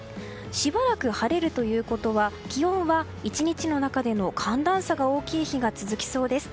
しばらく晴れるということは気温は１日の中での寒暖差が大きい日が続きそうです。